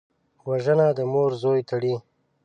وژنه د مور زوی تړي